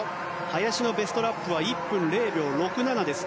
林のベストラップは１分０秒６７です。